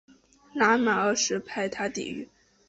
拉玛二世派他抵御。